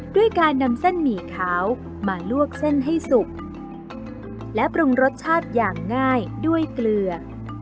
ด้วยการนำเส้นหมี่ขาวมาลวกเส้นให้สุกและปรุงรสชาติอย่างง่ายด้วยเกลือ